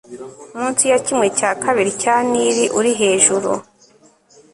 munsi ya kimwe cya kabiri cya nili urihejuru